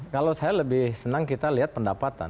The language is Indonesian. kalau saya lebih senang kita lihat pendapatan